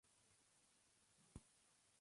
Debido a su enorme peso, pocos soldados lo usaban.